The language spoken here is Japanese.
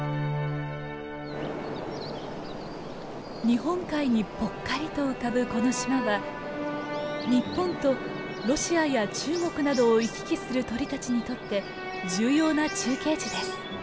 日本海にぽっかりと浮かぶこの島は日本とロシアや中国などを行き来する鳥たちにとって重要な中継地です。